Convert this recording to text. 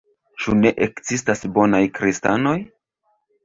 Ĉu ne ekzistas bonaj kristanoj?